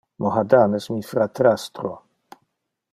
Mohadan es mi fratrastro.